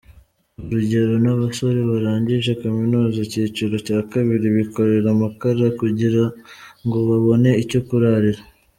Urugero n’abasore barangije kaminuza icyiciro cya kabili bikorera amakara kugirango babone icyo kurarira.